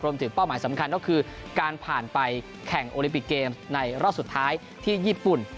เป้าหมายสำคัญก็คือการผ่านไปแข่งโอลิปิกเกมส์ในรอบสุดท้ายที่ญี่ปุ่น